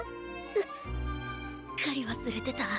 うっすっかり忘れてた。